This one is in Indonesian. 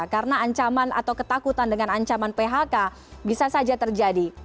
karena ancaman atau ketakutan dengan ancaman phk bisa saja terjadi